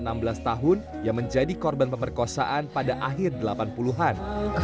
ada enam belas tahun yang menjadi korban pemerkosaan pada akhir delapan puluh an